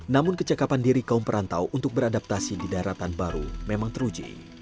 namun kecekapan diri kaum perantau untuk beradaptasi di daerah tanpa ru memang teruji